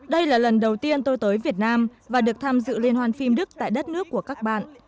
đây là lần đầu tiên tôi tới việt nam và được tham dự liên hoan phim đức tại đất nước của các bạn